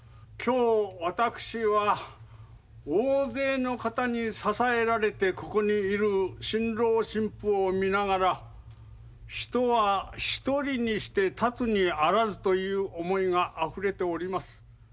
今日私は大勢の方に支えられてここにいる新郎新婦を見ながら人は一人にして立つにあらずという思いがあふれております。